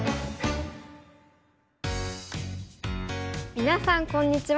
みなさんこんにちは。